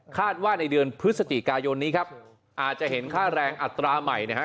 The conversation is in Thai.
ว่าในเดือนพฤศจิกายนนี้ครับอาจจะเห็นค่าแรงอัตราใหม่นะฮะ